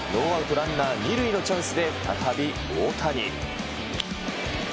２点を追う５回、ノーアウトランナー２塁のチャンスで再び大谷。